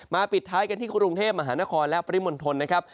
ปิดท้ายกันที่กรุงเทพมหานครและปริมณฑลนะครับ